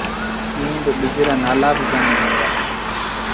ائيٚݩ ٻج رآ نآلآ با جآم هوئين دآ